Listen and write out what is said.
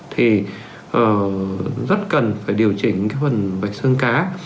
thì rất cần phải điều chỉnh phần vạch xương cá